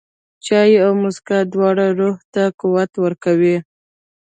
چای او موسکا، دواړه روح ته قوت ورکوي.